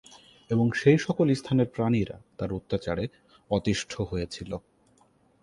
এবং সেই সকল স্থানের প্রাণীরা তার অত্যাচারে অতিষ্ঠ হয়েছিল।